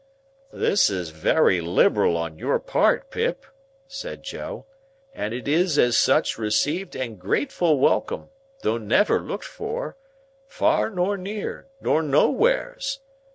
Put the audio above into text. "This is wery liberal on your part, Pip," said Joe, "and it is as such received and grateful welcome, though never looked for, far nor near, nor nowheres.